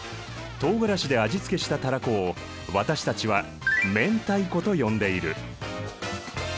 とうがらしで味付けしたタラコを私たちは明太子と呼んでいる。